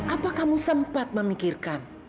apa kamu sempat memikirkan